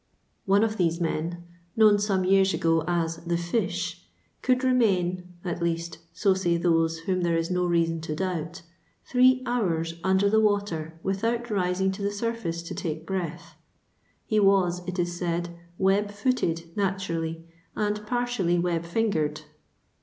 One of these men, known some years ago as " the Fish," could remain (at least, so say those whom there is no reason to doubt) three hoars under the water tidthout rising to the sur face to take breath. He was, it is said, web footed, naturally, and partially web fingered.